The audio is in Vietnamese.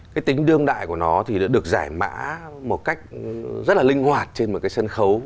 cái tính đương đại của nó thì đã được giải mã một cách rất là linh hoạt trên một cái sân khấu